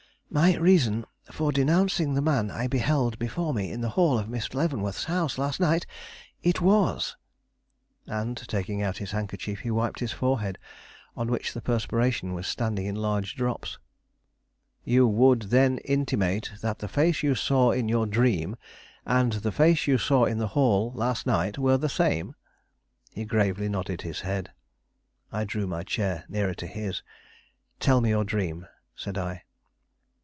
"My reason for denouncing the man I beheld before me in the hall of Miss Leavenworth's house last night? It was." And, taking out his handkerchief, he wiped his forehead, on which the perspiration was standing in large drops. "You would then intimate that the face you saw in your dream and the face you saw in the hall last night were the same?" He gravely nodded his head. I drew my chair nearer to his. "Tell me your dream," said I.